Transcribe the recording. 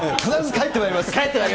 帰ってまいります。